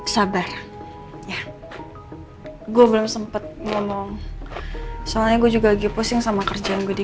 sabar ya gue belum sempat ngomong soalnya gue juga lagi pusing sama kerjaan gue di